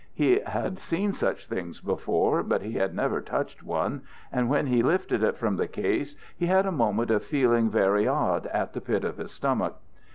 He had seen such things before, but he had never touched one, and when he lifted it from the case he had a moment of feeling very odd at the pit of his stomach.